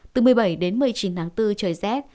từ một mươi bảy đến một mươi chín tháng bốn trời rét